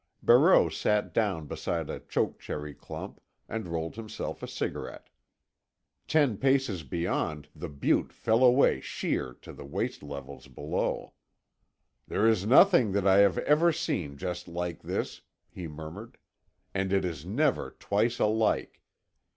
Barreau sat down beside a choke cherry clump, and rolled himself a cigarette. Ten paces beyond, the butte fell away sheer to the waste levels below. "There is nothing that I have ever seen just like this," he murmured. "And it is never twice alike.